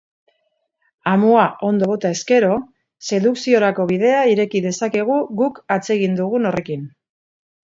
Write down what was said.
Amua ondo bota ezkero, sedukziorako bidea ireki dezakegu guk atsegin dugun horrekin.